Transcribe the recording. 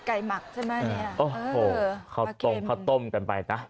ไก่หมักใช่ไหมอันนี้เออโอ้โหเขาต้มกันไปนะ